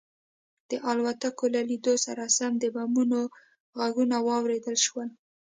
د الوتکو له لیدو سره سم د بمونو غږونه واورېدل شول